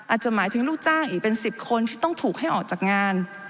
อาจจะหมายถึงลูกจ้างอีกเป็น๑๐คนที่ต้องถูกให้ออกจากงาน